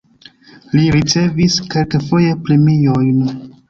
Li ricevis kelkfoje premiojn.